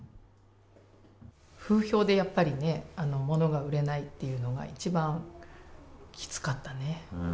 風評でやっぱりね、ものが売れないっていうのが一番きつかったね。